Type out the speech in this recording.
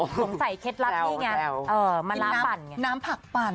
ผมใส่เคล็ดลับนี่ไงมะลาปั่น